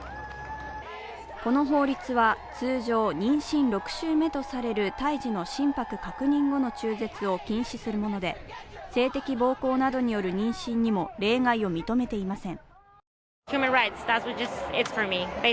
この法律は、通常妊娠６週目とされる胎児の心拍確認後の中絶を禁止するもので、性的暴行などによる妊娠にも例外を認めていません。